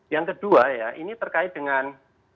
yang kedua ya ini terkait dengan